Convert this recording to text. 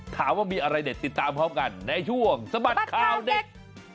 ถามว่ามีอะไรเด็ดติดตามพร้อมกันในช่วงสะบัดข่าวเด็ก